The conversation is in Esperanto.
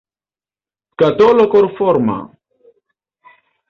Skatolo korforma.